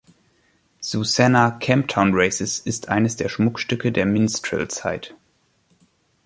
Susanna“, „Camptown Races“, ist eines der Schmuckstücke der Minstrel-Zeit.